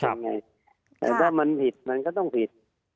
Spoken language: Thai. ถามั้นมันมันก็ต้องผิด